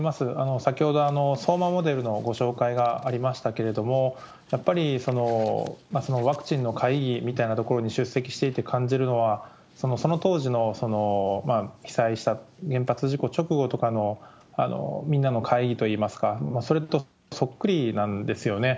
先ほど相馬モデルのご紹介がありましたけれども、やっぱり、そのワクチンの会議みたいな所に出席していて感じるのは、その当時の被災した原発事故直後とかのみんなの会議といいますか、それとそっくりなんですよね。